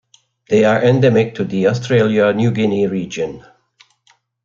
They are endemic to the Australia-New Guinea region.